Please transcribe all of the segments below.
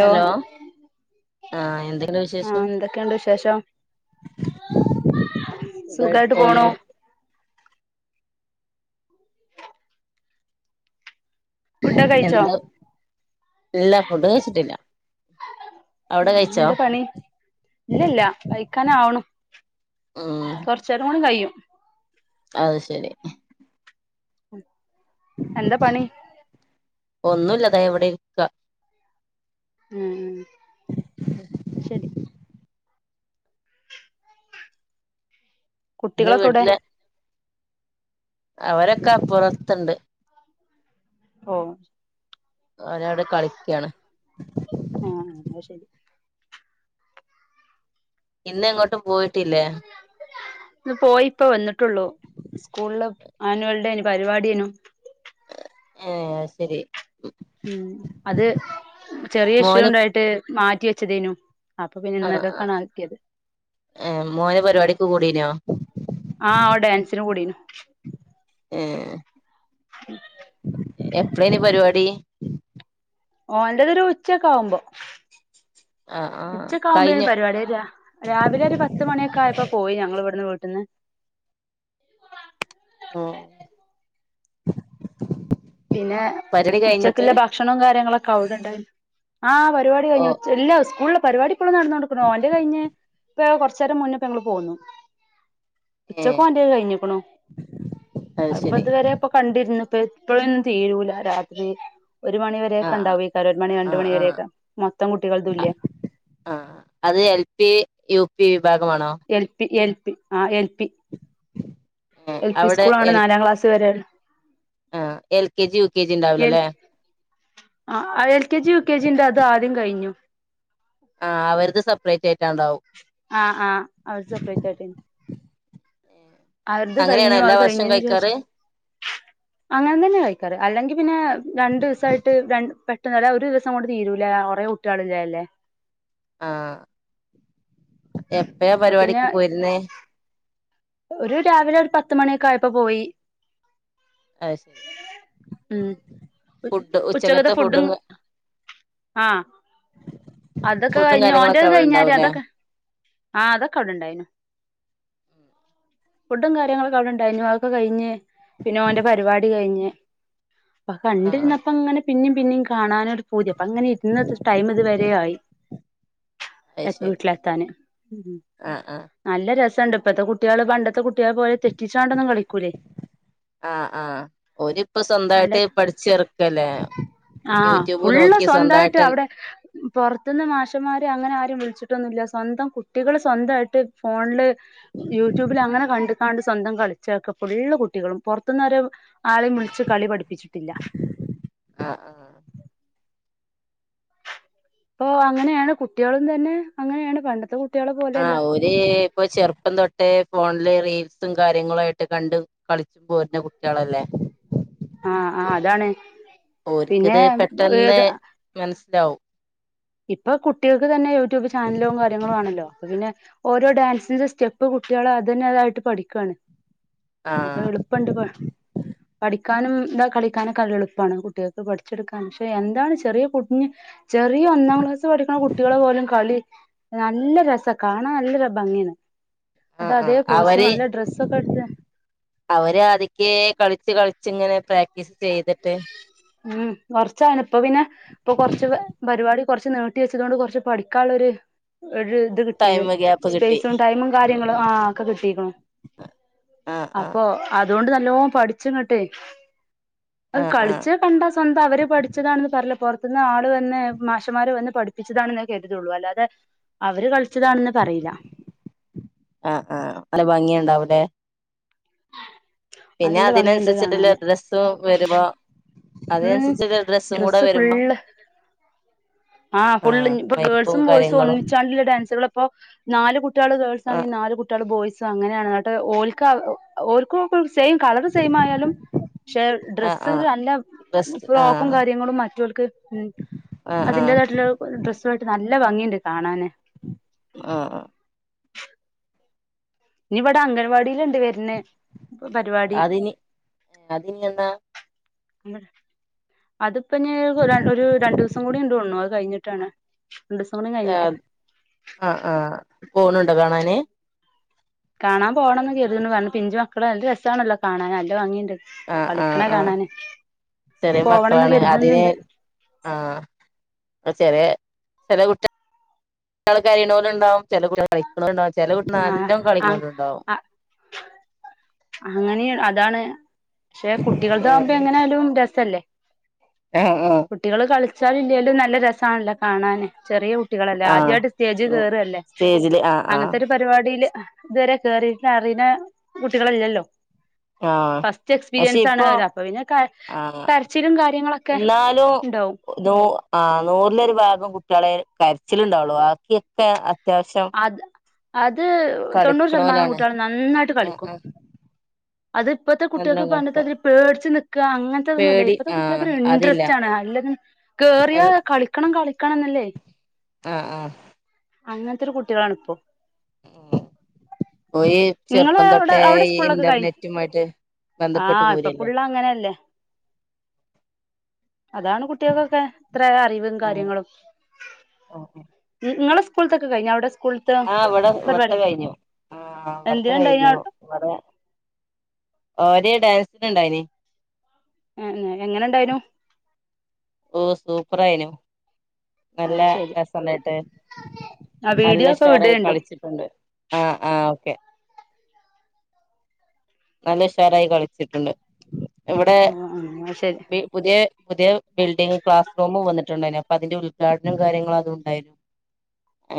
Hello ആഹ് എന്തെക്കെണ്ട് ആ വിശേഷ് എന്തൊക്കെയുണ്ട് വിശേഷം സുഖായിട്ട് പോകുന്നു ഫുഡൊക്കെ കഴിച്ചോ എന്താ ഇല്ലാ ഫുഡ് കഴിച്ചിട്ടില്ല അവിടെ കഴിച്ചോ എന്താ പണി ഇല്ലില്ല കഴിക്കാനാവണു ഉം ഇച്ചേരംകൂടി കയ്യും അത് ശരി എന്താ പണി ഒന്നുവില്ല ദേ ഇവിടെ ഇരിക്ക ഉം ഉം അത് ശെരി ഇന്ന് കുട്ടികളൊക്കെ എവിടെ അവരൊക്ക അപ്പുറത്ത്ണ്ട് ഓഹ് അവരവിടെ കളിയ്ക്യാണ് ആഹ് അന്ന ശെരി ഇന്ന് എങ്ങോട്ടും പോയിട്ടില്ലേ ഇന്ന് പോയി ഇപ്പോ വന്നിട്ടുള്ളൂ സ്കൂളില് ആനുവൽ ഡേന് പരിപാടിയനും ഏ അയ് ശെരി അത് ചെറിയ ഇഷ്യൂ മോന് ഉണ്ടായിട്ട് മാറ്റി വെച്ചതേനു അപ്പൊ പിന്നെ ഇന്നക്കക്കാണ് ആക്കിയത് ഏ മോന് പരിപാടിക്ക് കൂടീനോ ആ ഓന് ഡാൻസിന് കൂടീനു ഏഹ് എപ്പളേനു പരിപാടി ഓന്റെ ഒരു ഉച്ചക്ക ആകുമ്പോ ആഹ് ആഹ് ഉച്ചക്ക ആകുമ്പോന് കഴിഞ്ഞോ പരിപാടി വരാ രാവിലെ ഒരു പത്ത് മണിയൊക്കെ ആയപ്പോ പോയി ഞങ്ങൾ ഇവിടുന്ന് വീട്ട് ന്ന് ഉം പിന്നെ പരിപാടി കഴിഞ്ഞിട്ട് ഉച്ചക്കിള്ള ഭക്ഷണവും കാര്യങ്ങളൊക്കെ അവിടെണ്ടായീനി ആ പരിപാടി ഓ കഴിഞ്ഞ്ഉച്ച ഇല്ലാ സ്കൂ പരിപാടിപ്പളും നടന്നോണ്ട്ക്ക്ണ് ഓന്റെ കഴിഞ്ഞ് ഇപ്പ കുറച്ചേരം മുന്നെപ്പ ഞങ്ങൾ പോന്നു ഏഹ് ഉച്ചക്കൊന്റെ കഴിഞ്ഞ്ക്ക്ണു അത് ഇപ്പൊ ഇതുവരെ ഇപ്പൊ കണ്ടിരുന്നുപ്പഴ് ഇപ്പോഴൊന്നും തീരൂല രാത്രി ഒരു മണിവരെയൊക്കെ ആഹ് ഉണ്ടാവേക്കാരം ഒരു മണി ആഹ് രണ്ടു ആഹ് ആഹ് മണിവരൊക്കെ മൊത്തം കുട്ടികള്തും ഇല്ലേ ആഹ് അത് എൽ പി യു പി വിഭാഗമാണോ എൽ പി എൽ പി ആഹ് എൽ പി ഏഹ് എൽ പി അവിടെ സ്കൂളാണ് നാലാം ക്ലാസ് വരെ ഉം L K G U K G ഉണ്ടാവില്ലല്ലേ ആഹ് L K G U K ജിന്റെ അത് ആദ്യം കഴിഞ്ഞു ആഹ് അവർത് സപ്പറേറ്റ് ആയിട്ട് ഉണ്ടാവും ആഹ് ആഹ് അവർതെ സപ്പറേറ്റ് ആയിട്ട് അവർതെ അങ്ങനെയാണോ കഴിഞ്ഞു എല്ലാ അത് വർഷം കഴിഞ്ഞതിന് കഴിക്കാറ് ശേഷം അങ്ങനെ തന്നെ കഴിക്കാറ് അല്ലെങ്കി പിന്നെ രണ്ടു ദിവസായിട്ട് രണ്ട് പെട്ടെന്നല്ല ഒരു ദിവസം കൊണ്ട് തീരൂല കൊറേ കുട്ടി ട്ടേള് ഇള്ളതല്ലേ ആഹ് എപ്പയാ അപ്പൊ പിന്നെ പരിപാടിക്ക് പോയിരുന്നേ ഒരു രാവിലെ ഒരു പത്ത് മണിയൊക്കെ ആയപ്പോ പോയി അത് ശരി ഉം ഉ ഉച്ചകത്തെ ഫുഡും ആഹ് അതൊക്കെ ഫുഡും കഴിഞ്ഞു കാര്യങ്ങളൊക്കെ ഓന്റെത് അവിടെ കഴിഞ്ഞാരെ ഉണ്ടാവൂലേ അതൊക്കെ ആഹ് അതൊക്കെ അവിടെണ്ടായിരുന്നു ഫുഡും കാര്യങ്ങളൊക്കെ അവിടെണ്ടായിരുന്നു അതൊക്കെ കഴിഞ്ഞ് പിന്നെഓന്റെ പരിപാടി കഴിഞ്ഞ് അപ്പ ആഹ് ആഹ് കണ്ടിരുന്നപ്പ അങ്ങനെ പിന്നിം പിന്നിം കാണാനൊ പൂതി അപ്പ അങ്ങനെ ഇരുന്ന് ടൈം ഇത് വരെ ആയി അത് എത്താ ശരി വിട്ട്ലെത്താന് ആഹ് ആഹ് നല്ല രസണ്ട് ഇപ്പഴത്തെ കുട്ടേള് പണ്ടത്തെ കുട്ടേളെ പോലെ തെറ്റിച്ചാണ്ടൊന്നും കളിക്കൂലേ ആഹ് ആഹ് ഓലിപ്പോ നല്ല സ്വന്തായിട്ട് പഠിച്ചറ്ക്കല്ലേ ആഹ് ഫുള്ള് സ്വന്തായിട്ട് അവടെ പൊർത്ത്ന്ന് മാഷന്മാര് അങ്ങനെ ആരും വിളിച്ചിട്ടൊന്നുല്ല സ്വന്തം കുട്ടികള് സ്വന്തായിട്ട് ഫോൺല് യൂട്യൂബില് അങ്ങനെ കണ്ട് കാണ്ട് സ്വന്തം കളിച്ചക്കാ ഫുള്ള് കുട്ടികളും പോർത്ത്ന്ന് ഒരു ആളേം വിളിച്ച് കളി പഠിപ്പിച്ചിട്ടില്ല ആഹ് ഇപ്പൊ അങ്ങനെണ് കുട്ടികളും തന്നെ അങ്ങനെണ് പണ്ടത്തെ കു ആ ഓര് ഇപ്പൊ ചെറുപ്പം തൊട്ടേ ഫോൺല് റീൽസും കാര്യങ്ങളായിട്ട് കണ്ട് കളി പോര്ന കുട്ടിയളല്ലേ ആ ആ അതാണ് പിന്നെ ഒര്ത് മൻസ് ലാവും ഇപ്പ കുട്ടിയെക്ക് തന്നെ യൂട്യൂബ് ചാനലും കാര്യങ്ങളും ആണല്ലോ അപ്പ പിന്നെ ഓരോ ഡാൻസി്ന്റെ സ്റ്റെപ്പ് കുട്ടിയള് അതന്നെ അതായിട്ട് പഠിക്കാണ് അപ്പ ആഹ് എള്പ്പണ്ട് പ പഠിക്കാനും എന്താ കളിക്കാനൊക്കെ നല്ല എളുപ്പാണ് കുട്ടിയെക്ക് പഠിച്ചെട്ക്കാനും പക്ഷെ എന്താണ് ചെറിയ കുഞ്ഞ് ചെറിയ ഒന്നാം ക്ലാസ് പഠിക്ക്ണ കുട്ടികളെ പോലും കളി നല്ല രസാ. കാണാൻ നല്ലരു ഭംഗിയാണ്. അത് ആഹ് അതേ ആഹ് കോസ്റ്റ്യൂം അവര് നല്ല ഡ്രസ്സൊക്കെ ഇട്ത്ത് അവര് ആതിക്കേ കളിച് കളിച്ചിങ്ങനെ പ്രാക്ടീസ് ചെയ്ത്ട്ട് ഉം കൊർച്ചാണ്. ഇപ്പ പിന്നെ ഇപ്പൊ കൊർച്ച് പ പരിപാടി കൊർച്ച് നീട്ടി വെച്ചതൊണ്ട് കൊർച്ച് പഠിക്കാള്ളൊര് ഒര് ഇത് കിട്ടീന്. ടൈം ഗ്യാപ്പ് കിട്ടി സ്പൈസും ടൈമും കാര്യങ്ങളും ആ ആഹ് ഒക്ക കിട്ടീക്ക്ണു. ആഹ് ആഹ് അപ്പൊ അതോണ്ട് നല്ലോം പട്‌ച്ചിങ്ങട്ടെ അത് ആഹ് കളിചെ കണ്ടാ സ്വന്തം അവര് പഠിച്ചതാണെന്ന് പറില. പൊർ ത്ത്ന്ന് ആള് വന്ന് മാഷമാര് വന്ന് പഠിപ്പിച്ചതാണെന്നെ കേട്ട്ട്ടോള്ളൂ. അല്ലാതെ അവര് കൾച്ചതാണെന്ന് പറയില ആഹ് ആഹ് നല്ല ഭംഗി ഇണ്ടാവു ലെ പിന്നെ നല്ല ഭംഗിയുണ്ട് അതിനൻസര്ച്ചിട്ട്ള്ള കാണാന് ഡ്രസ്സും വരുമ്പോ ഉം അതിനനുസരിച്ചുള്ള ഡ്രസ്സും കൂടെ ഡ്രസ്സ് വരുമ്പോ ഫുളള് ആഹ് ഫുള്ള് ഇഞ്ഞിപ്പൊ മേക്കപ്പും ഗേൾസും ബോയ്സും കാര്യങ്ങളും ഒന്നിച്ചാ ണെങ്കില് ഡാൻസുകളപ്പോ നാല് കുട്ടികള് ഗേൾസാണെങ്കി ആഹ് നാലു കു ട്ടികള് ബോയ്സ് അങ്ങനെണ്. ന്നട്ട് ഓൽക്ക ഓൽക്കൊക്കെ സെയിം കളറ് സെയിമ് ആയാലും പക്ഷെ ആഹ് ഡ്രസ്സ്ല് ആഹ് നല്ല ഡ്രസ്സ് ഫ്രോക്കും ആഹ് കാര്യങ്ങളും മറ്റൊൽക്ക് ഉം ആഹ് ആഹ് അതിന്റേതായിട്ട്ള്ള ഡ്രസ്സായിട്ട് നല്ല ഭംഗി ഇണ്ട് കാണാന്. ആഹ് ആഹ് ഇഞ്ഞി ഇവടെ അംഗൻവാടില്ണ്ട് വര്ന് പരിവാടി അതിനി അതിനി എന്നാ എന്ന് അത്പ്പഞ് ര ഒരു രണ്ടൂസം കൂടി ഇണ്ട് തോൺണു. അത് കഴിഞ്ഞിട്ടാണ്. രണ്ടൂസം കൂടി കഴിഞ്ഞിട്ട ആഹ് ആഹ് പോണ് ണ്ടോ കാണാന്. കാണാം പോണന്നു കര്ത്ണ് പിഞ്ചുമക്കളെ നല്ല രസാണല്ലോ കാണാന്. നല്ല ഭംഗിണ്ട്. ആഹ് ആഹ് ആഹ്. ചെറിയ പോവണംന്ന് മക്കളാണ്. അതിന് കരുതുന്നുണ്ട് ആഹ് ഇപ്പ ചെറിയെ ചേലെ കുട്ടി കള് കരിണോല് ഇണ്ടാവും ചേലെ കുട്ടിയള് കളിക്ക്ണോല് ഇണ്ടാവും. ചെല കുട്ടിയള് ആഹ് നല്ലം ആഹ് കളിക്ക്ണോല് ഇണ്ടാവും. അങ്ങനെ അതാണ് പക്ഷെ കുട്ടികൾതാവുമ്പേ ആഹ് എങ്ങനായാലും രസല്ലേ. ആഹ് ആഹ്. കുട്ടികള് കൾച്ചാലും ഇല്ലേലും നല്ല രസാണല്ലോ കാണാന്. ചെറിയ കു ട്ടികളല്ലേ ആഹ് ആദ്യയിട്ട് സ്റ്റേജ് കേറല്ലേ? സ്റ്റേജില് ആഹ് ആഹ് അങ്ങൻത്തെരു പരിപാടീല് ഇതുവരെ കേറിട്ട് അറിണ കുട്ടികളില്ലല്ലോ. ആഹ് ഫസ്റ്റ് പക്ഷെ എക്സ്പീരിയൻസ് ആണ് ഇപ്പൊ അവര് അപ്പൊ പിന്നെ ക ആഹ് കര്ച്ചിലും കാര്യങ്ങളൊക്കെ എന്നാലും ഇണ്ടാവും. നൂ ആഹ് നൂറിലൊരുഭാഗം കുട്ട്യളെ കരച്ചില് ഇണ്ടാവുള്ളു ബാക്ക്യക്കെ അത്യാവശ്യം അത് അത് തൊണ്ണൂറ് ശതമാനം കളിക്കണോലാണ് കുട്ട്യാളും നന്നായിട്ട് ആഹ് കളിക്കും. ആഹ് അത് ഇപ്പത്തെ കുട്ട്യൾക്ക് നല്ലോം കളിക്കും പണ്ടത്തെതിരി പേട്ച്ച് നിക്ക അങ്ങൻത്തെ ഇതൊന്നും ഇല്ല. പേടി ഇപ്പത്തെ ആഹ് കുട്ട്യൾക്കൊരു അതില്ല ഇൻട്രസ്റ്റ് ആണ്. അല്ലെങ്കി എൽ കേറിയാ കളിക്കണം കളിക്കണംന്നല്ലേ. ആഹ് ആഹ്. അങ്ങൻത്തൊരു കുട്ട്യളാണ് ഇപ്പൊ. ഓയി ചെർപ്പം തൊട്ടേ സ്കൂളിലൊക്കെ കഴി ഇന്റർനെറ്റുമായിട്ട് ബന്ധപ്പെട്ട് ആഹ് ഇപ്പൊ പോരല്ലേ ഫുള്ള് അങ്ങനെല്ലേ? അതാണ് കുട്ട്യാക്കൊക്കെ ഇത്ര അറിവും കാര്യങ്ങളും. ഓഹെ. ഇങ്ങളെ സ്കൂൾത്തൊക്കെ കഴിഞ്ഞ? അവ്ടെ സ്കൂൾ ആഹ് ഇവടെ ഇവട്ത്തെ കയ്ഞ്ഞു. ആഹ് ഇവട്ത്തെ എന്തിനുണ്ടായിന കഴിഞ്ഞു. ഇവടെ ഓര് ഡാൻസിന് ഇണ്ടായിനി. ഏന്നെ എങ്ങനെ ഇണ്ടായ്നു? ഓഹ് സൂപ്പറായിനു. നല്ല ശരി രസണ്ടായിട്ട് ആ നല്ല വീഡിയോ ഒക്കെ ഉഷാറായി വിടേണ്ടു കളിച്ചിട്ട് ണ്ട് ആഹ് ആഹ് ഓക്കെ. നല്ല ഉഷാറായി കളിച്ചിട്ടുണ്ട് ഇവടെ ആഹ് ശരി ബി പുത്യേ പുത്യേ ബിൽഡിംഗ് ക്ലാസ് റൂമും വന്നിട്ടുണ്ടായിരുന്നു അപ്പ അതിന്റെ ഉദ്ഘാടനം കാര്യങ്ങളും അത് ഉണ്ടായിനി.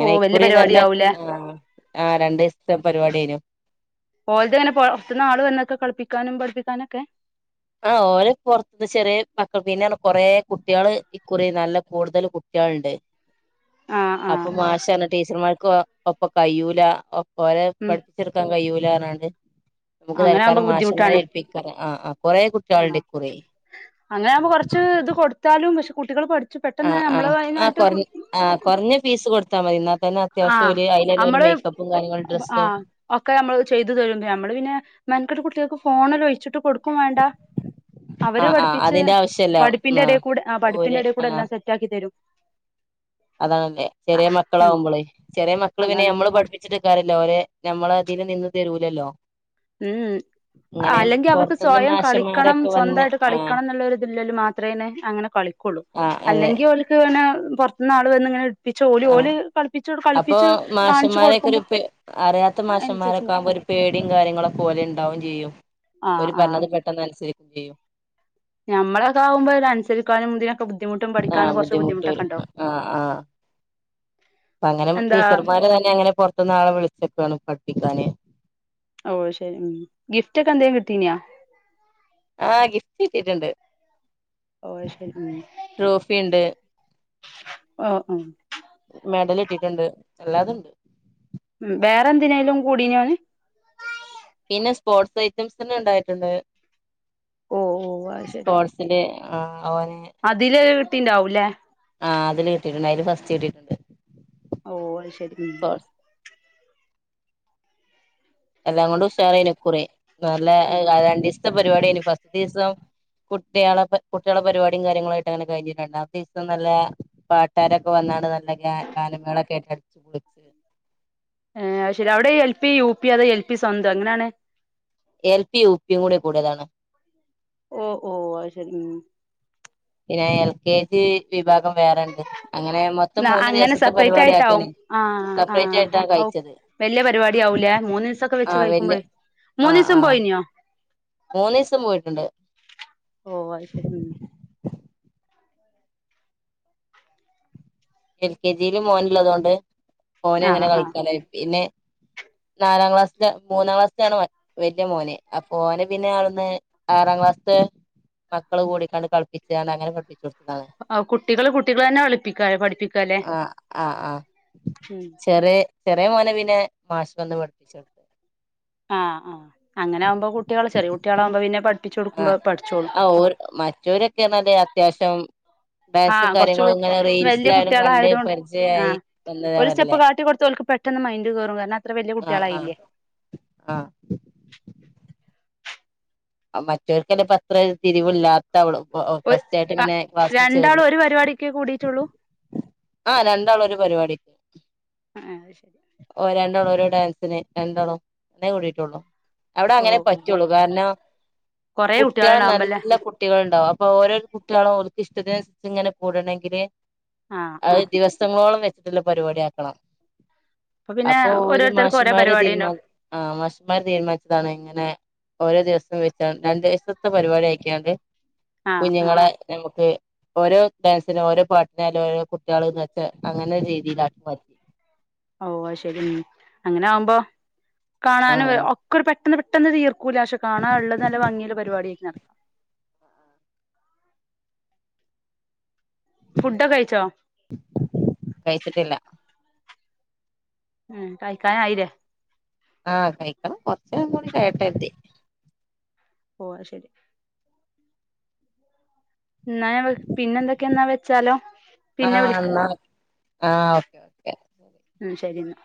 ഓ വല്യ ഇക്കുറി പരിപാടി നല്ല ആവൂലേ ആഹ് ആ രണ്ട് ദിവസത്തെ പരിപാടി ഏനു. ഓൽത്ങ്ങനെ പൊർത്ത്ന്ന് ആൾ വന്നക്ക കളിപ്പിക്കാനും പഠിപ്പിക്കാനൊക്കെ? ആഹ് ഓല് പൊർത്ത് ചെറ്യോ മക്ക പിന്നെർഞ്ഞ കൊറേ കുട്ട്യോള് ഇക്കുറി നല്ല കൂടുതൽ കുട്ട്യാള്ണ്ട്. ആഹ് ആഹ് അപ്പൊ മാഷർഞ്ഞ ടീച്ചർമാർക്ക് ഒ ഒപ്പ കയ്യൂല ഓലെ ഉം പഠി ച്ചെടുക്കാൻ കഴിയൂലാർഞ്ഞാണ്ട് നമുക്ക് തൽക്കാലം മാശമാരെ ഏൽപ്പിക്കാ ആഹ് ആഹ്. കൊറേ ആണോ കുട്ട്യാള്ണ്ട് ഇക്കുറി അങ്ങനെ ആവുമ്പോ കൊർച്ച് ഇത് കൊടുത്താലും പക്ഷെ കുട്ടികൾ പഠി പെട്ടെന്ന് നമ്മള് അയ്നായിട്ട് കൊർഞ്ഞ ഫീസ് കൊടുത്താ മതി ഇന്നാ തന്നെ അത്യാവശ്യം ആഹ് ഓര് അയ്ലെന്നെ ഓര് നമ്മള് മേക്കപ്പും കാര്യങ്ങളും ഡ്രസ്സും ആഹ് ഒക്കെ നമ്മള് ചെയ്തു തരുമ്പോ നമ്മള് പിന്നെ മെൻകെട്ട് കുട്ട്യാക്ക് ഫോണി ഒഴിച്ചിട്ട് കൊടു ക്കും വേണ്ട അവര് ആഹ് ആഹ് പഠിപ്പിച്ച് അതിന്റെ ആവശ്യല്ല പഠിപ്പിന്റെടെക്കൂടെ ആഹ് ഓര് പഠിപ്പിന്റെടെ കൂടെ ആഹ് എല്ലാം സെറ്റ് റ്റാക്കി തെരും. അതാണല്ലേ ചെറ്യേ ഉം മക്കളാവുമ്പ ളെ ചെറ്യേ മക്കള് പിന്നെ അതാണ് നമ്മ മ്മള് പഠിപ്പിച്ചിട്ട കാരേല്ലെ ഓലെ ഞമ്മളെ ഇതില് നിന്ന് തരുലല്ലോ? ഉം ഉം അല്ലെങ്കി അവർക്ക് പൊറത്തുന്ന് സ്വയം കളിക്കണം മാഷന്മാരൊക്കെ വന്ന് സ്വന്തായിട്ട് ആഹ് കളിക്കണം ന്നുള്ള ഒര്തില്ലല്ല് മാത്രനെ അങ്ങനെ കളിക്കൊള്ളു. ആഹ് അത്. അല്ലെങ്കി ഓല്ക് ഇങ്ങനെ പൊതത്ത്ന്ന് ആള് വന്ന് ഇങ്ങനെ കൾപ്പിച്ചു ഓല് ഓല് ആഹ് കൾപ്പിച്ച് അപ്പൊ കളിപ്പിച്ച് കാൺച്ച് മാഷന്മാരൊക്കെ ഒരു കൊടുക്കുമ്പോ പേ അറിയാത്ത അയ്നൻസരിച്ച് മാഷന്മാരൊക്കെ ആവുമ്പോ നിക്കും. ഒരു പേടിയും കാര്യങ്ങളെക്കേ ഓലെ ഇണ്ടാവും ചെയ്യും ആ ഒരു ആ പറഞ്ഞത് പെട്ടെന്ന് അനുസരിക്കയും ചെയ്യും നമ്മളൊക്കെ ആകുമ്പോ അതനുസരിക്കാനും ഇതിനൊക്കേ ബുദ്ധിമുട്ടും ആഹ് പഠിക്കാനും കുറച്ച് ബുദ്ധിമുട്ട് ബുദ്ധിമുട്ടൊക്കേ വരും ഉണ്ടാവും ആഹ് ആഹ് അപ്പ അങ്ങനെ എന്താ ടീച്ചർമാരെ തന്നെ അങ്ങനെ പുറത്തു നിന്നാളെ വിളിച്ചക്കാണ് പഠിപ്പിക്കാന് ഓഹ് ശരി ഗിഫ്റ്റൊക്കെ എന്തെങ്കിലും കിട്ടീനിയാ ആ ഗിഫ്റ്റ് കിട്ടിയിട്ടുണ്ട് ഓഹ് ശരി ഉം ട്രോഫി ഇണ്ട് ഓ ഓ മെഡൽ കിട്ടിട്ടുണ്ട് എല്ലാതുണ്ട് ഉം വേറെ എന്തിനേലും കൂടിനിയോ ഓൻ പിന്നെ സ്പോർട്സ് ഐറ്റംസ് ഇണ്ടായിട്ടുണ്ട് ഓ ഓ അത് ശരി സ്പോർട്സ് ന്റെ ആഹ് അവന് അതില് കിട്ടിണ്ടാവൂല്ലേ ആ അതിൽ കിട്ടിട്ടുണ്ട് അതിൽ ഫസ്റ്റ് കിട്ടിട്ടുണ്ട് ഓ അയ് ശരി എല്ലാംകൊണ്ടും ഉഷാറായിനിക്കുറി ഉം ആ നല്ല രണ്ട് ദിവസത്തെ പരിപാടിനിം ഫസ്റ്റ് ദിവസം കുട്ടികളെ കുട്ടികള പരിപാടിയും കാര്യങ്ങളും ആയിട്ട് അങ്ങനെ കഴിഞ്ഞിട്ടുണ്ട് രണ്ടാമത്തെ ദിവസം നല്ല പാട്ടുകാരൊക്കെ വന്നാണ് നല്ല ഗാ ഗാനമേളൊക്കെ കേക്ണ്ട് ആ അയിശരി അവിടെ എൽ പി യു പി അതോ എൽ പി സ്വന്തം എങ്ങനെയാണ് എൽ പി യും യൂ പ്പി യും കൂടി കൂടിയതാണ് ഓ ഓ അയ് ശരി ഉ പിന്നെ എൽ കെ ജി വിഭാഗം വേറെണ്ട് അങ്ങനെ മോ അങ്ങനെ സെപ്പറേറ്റ് ആയിട്ടാവും ആ ആ സെപ്പറേറ്റ് ആയിട്ടാ ഔ കഴിച്ചത് വലിയ പരിപാടി ആവൂലേ മൂന്ന് ദിവസൊക്കെ വെച്ച് ആഹ് വല്യ കഴിക്കുമ്പോയി മൂന്ന് ദിവസം പോയിനോ മൂന്ന് ദിവസം പോയിട്ടുണ്ട് ഓ അയ്ശരി എൽ കെ ജിയില് മോന് ഒള്ളത് കൊണ്ട് മോന് അങ്ങനെ ആഹ് കളികാനായി പിന്നെ നാലാം ക്ലാസ്സില് മൂന്നാം ക്ലസ്സിലാണ് മറ്റ് വെല്യ മോന് അപ്പോ അവന് പിന്നെ അവിടുന്ന് ആറാം ക്ലാസ്സത്തെ മക്കള് കൂടിക്കാണ്ട് കളിപ്പിചാണ്ട് അങ്ങനെ പഠിപ്പിച്ച് കൊടുത്തതാണ് ആ കുട്ടികള് കുട്ടികള് അന്നെ പഠിപ്പിക്ക പഠിപ്പി ആഹ് ആഹ ആ് ഉം ചെറിയ ചെറിയ മോനെ പിന്നെ മാശ് വന്ന് പഠപ്പിച്ചോട്ത് ആഹ ആ അങ്ങനെ ആവുമ്പോ കുട്ടികള് ചെറിയ കുട്ടികള് ആവുമ്പോ പിന്നെ പഠപ്പിച്ചു കൊടുക്കുമ്പോ പഠിച്ചോളു മറ്റേവര് ഒക്കെ നല്ല അത്യാവശ്യം ഡാൻസും ആഹ് കാര്യങ്ങളും ഇങ്ങനെ കൊറച്ചുവെല്യ റീൽസിലായാലും കുട്ടികള് കണ്ട് ആയത് കൊണ്ട് ആ പരിചയായി ഒരു സ്റ്റെപ്പ് വന്നതവരല്ലേ കാട്ടി കൊടുത്ത് ഓൽക്ക്‌ പ്പെ ട്ടെന്ന് മൈൻഡ് കേറും [inaudible] ആഹ ആഹ കുട്ടികളായില്ലേ ആഹ മറ്റൊല്ക്കല്ലേ പത്ര തിരിവില്ലാ തവളു ഒ ഒ ഫസ്റ്റ് ആയിട്ട് ഇങ്ങനെ ക്ലാസ്സില് ചേർ രണ്ടാളും ഒരു പരിപാടിക്ക് കൂടിയിട്ടുള്ളൂ ആ രണ്ടാളും ഒരു പരിപാടി ആ അത് ശരി ഓ രണ്ടോളം ഓരോ ഡാൻസിന് രണ്ടോളം അങ്ങെ കൂടിട്ട് ഒള്ളൂ അവിടെ ഓ അങ്ങനെ ഓ ഓ പറ്റുള്ളൂ കാരണം കൊറേ കുട്ടികൾ കുട്ടികളുണ്ടാവുമ്പല്ലേ നല്ല കുട്ടികൾണ്ടാവും അപ്പൊ ഓരോ കുട്ടികളോ ഒൽക്ക് ഇഷ്ടത്തിന് അനുസരിച്ച് ഇങ്ങനെ കൂടണേങ്കില് ആ ആ അത് ദിവസങ്ങളോളം വെച്ചിട്ടുള്ള പരിപാടി ആക്കണം പിന്നെ അപ്പൊ ഒരു ഓരോരുത്തർക്കും ഓരോ മാഷുമാര് പരിപാടി ഉണ്ടാവും തീരുമാനി ആഹ മഷന്മാർ തീരുമാനിച്ചത് ആണ് ഇങ്ങനെ ഓരോ ദിവസം വെച്ചോണ്ട് രണ്ടീസത്തെ പരിപാടി ആക്കിയോണ്ട് ആ ആ കുഞ്ഞുങ്ങളെ നമുക്ക് ഓരോ ഡാൻസിനും ഓരോ പാട്ടിനായാലും ഓരോ കുട്ടികള് നിർത്തും അങ്ങനെ രീതിയിലാക്കി മാറ്റി ഓഹ് അയ്ശരി ഉം അങ്ങനെ ആവുമ്പം കാണാനും ആഹ് ഒ ക്കൊരു പെട്ടെന്ന് പെട്ടെന്ന് തീർക്കൂല്ല പക്ഷെ കാണാ ഇള്ളത് നല്ല ഭംഗില്ല പരിപാടിയ ആയ്ക്ക്ണത് ഫുഡൊക്കെ കഴിച്ചോ കഴിച്ചിട്ടില്ല ഉം കഴിക്കാൻ ആയില്ലേ ആഹ് കഴിക്കണം കൊറച്ചേരം കൂടി കയ്യട്ടേ കര്തി ഓഹ് അയ്ശരി ഇന്നാ ഞാൻ വിളി പിന്നെ എന്തൊക്കെ എന്നാ വെച്ചാലോ പിന്നെ ആഹ് വിളി എന്നാ ആഹ് ഓക്കേ ഉം ശരിന്നാ